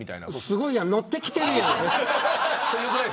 すごいやん乗ってきてるやん。